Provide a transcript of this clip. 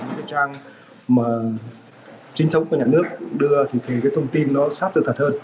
những cái trang mà chính thống của nhà nước đưa thì cái thông tin nó sắp dựa thật hơn